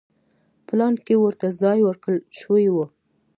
پلان کې ورته ځای ورکړل شوی و.